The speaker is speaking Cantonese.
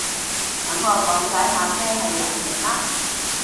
等我講解下咩係黎明啦